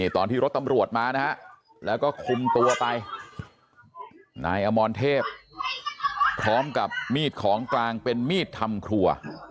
ตอนที่รถตำรวจมานะฮะแล้วก็คุมตัวไปนายอมรเทพพร้อมกับมีดของกลางเป็นมีดทำครัว